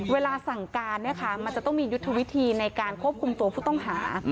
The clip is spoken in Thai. เวลาสั่งการมันจะต้องมียุทธวิธีในการควบคุมตัวผู้ต้องหา